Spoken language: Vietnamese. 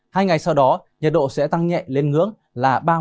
hai ngày sau đó nhiệt độ sẽ tăng nhẹ lên ngưỡng là ba mươi cho đến ba mươi ba độ